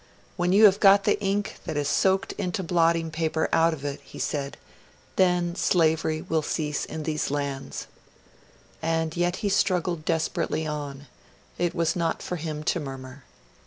'When you have got the ink that has soaked into blotting paper out of it,' he said, 'then slavery will cease in these lands.' And yet he struggled desperately on; it was not for him to murmur.